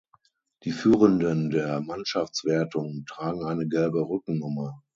Die Führenden der Mannschaftswertung tragen eine gelbe Rückennummer.